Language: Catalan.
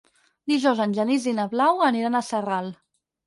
Dijous en Genís i na Blau aniran a Sarral.